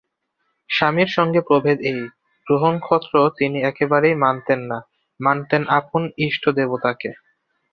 স্বামীর সঙ্গে প্রভেদ এই, গ্রহনক্ষত্র তিনি একেবারেই মানতেন না, মানতেন আপন ইষ্টদেবতাকে।